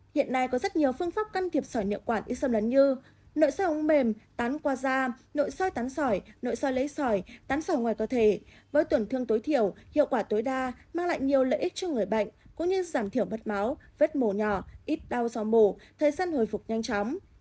hiện nay có rất nhiều phương pháp can thiệp sỏi nhựa quản i xâm lấn như nội soi ống mềm tán qua da nội soi tán sỏi nội soi lấy sỏi tán sỏi ngoài cơ thể với tổn thương tối thiểu hiệu quả tối đa mang lại nhiều lợi ích cho người bệnh cũng như giảm thiểu mất máu vết mồ nhỏ ít đau do mổ thời gian hồi phục nhanh chóng